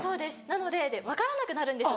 なので分からなくなるんですよ